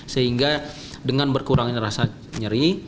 sehingga dengan berkurangnya rasa nyeri